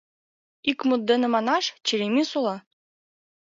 Ик мут дене манаш, черемис ола!